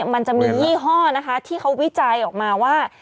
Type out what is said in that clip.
มันจะมียี่ห้อนะคะที่เขาวิจัยออกมาว่า